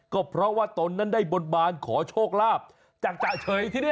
ก็เพราะว่าตนนั้นได้บนบานขอโชคลาภจากจ๊ะเฉยที่นี่